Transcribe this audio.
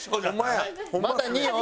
まだ２よ。